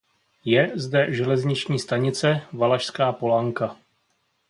Je zde železniční stanice "Valašská Polanka".